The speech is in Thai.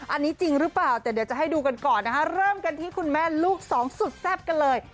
อันนี้จริงหรือเปล่าแต่เดี๋ยวจะให้ดูกันก่อนนะคะเริ่มกันที่คุณแม่ลูกสองสุดแซ่บกันเลย